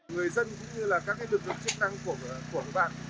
người dân cũng như là các lực lượng chức năng của các bạn